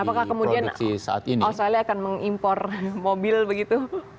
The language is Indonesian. apakah kemudian australia akan mengimpor mobil begitu